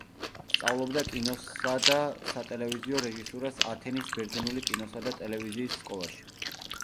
სწავლობდა კინოსა და სატელევიზიო რეჟისურას ათენის ბერძნული კინოსა და ტელევიზიის სკოლაში.